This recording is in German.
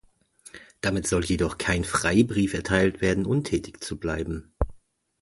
Damit soll jedoch kein Freibrief erteilt werden, untätig zu bleiben.